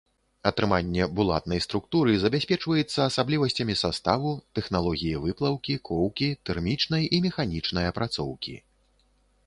Атрыманне булатнай структуры забяспечваецца асаблівасцямі саставу, тэхналогіі выплаўкі, коўкі, тэрмічнай і механічнай апрацоўкі.